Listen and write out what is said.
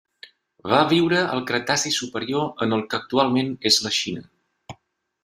Va viure al Cretaci superior en el que actualment és la Xina.